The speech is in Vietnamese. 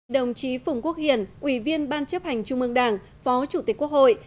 đồng chí phùng quốc hiển ủy viên ban chấp hành trung ương đảng phó chủ tịch quốc hội